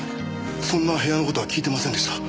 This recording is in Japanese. そんな部屋の事は聞いてませんでした。